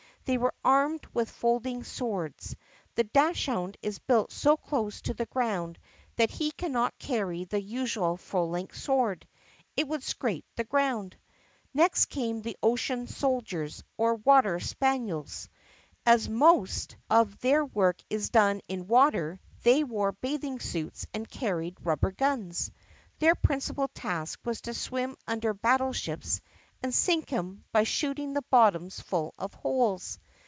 They were armed with folding swords. The dachs hund is built so close to the ground that he cannot carry the usual full length sword; it would scrape the ground. Next came the ocean soldiers or Water Spaniels. As most Brave Rudolph Flying over the Dogland Lines 120 THE PUSSYCAT PRINCESS of their work is done in water they wore bathing suits and carried rubber guns. Their principal task was to swim under battle ships and sink 'em by shooting the bottoms full of holes.